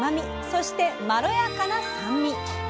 そしてまろやかな酸味。